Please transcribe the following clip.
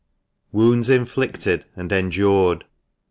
WOUNDS INFLICTED AND ENDURED.